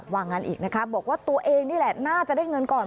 ว่างั้นอีกนะคะบอกว่าตัวเองนี่แหละน่าจะได้เงินก่อน